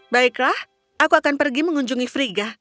baiklah aku akan pergi mengunjungi friga